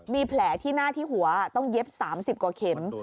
มีแผลที่หน้าที่หัวต้องเย็บ๓๐กว่าเข็ม